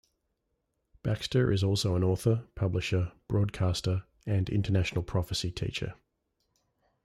Baxter is also an author, publisher, broadcaster and international prophecy teacher.